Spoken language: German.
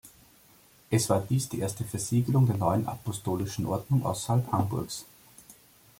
Es war dies die erste Versiegelung der „neuen apostolischen Ordnung“ außerhalb Hamburgs.